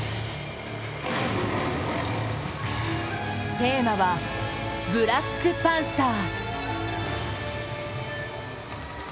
テーマはブラックパンサー。